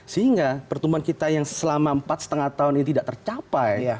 sehingga pertumbuhan kita yang selama empat lima tahun ini tidak tercapai